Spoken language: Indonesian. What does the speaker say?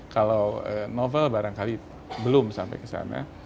kalau novel barangkali belum sampai ke sana